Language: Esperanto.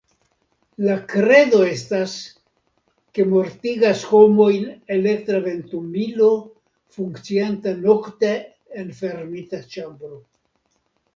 La kredo estas, ke mortigas homojn elektra ventumilo funkcianta nokte en fermita ĉambro.